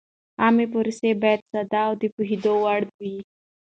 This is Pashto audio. عامه پروسې باید ساده او د پوهېدو وړ وي.